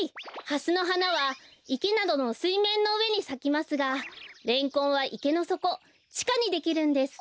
ハスのはなはいけなどのすいめんのうえにさきますがレンコンはいけのそこちかにできるんです。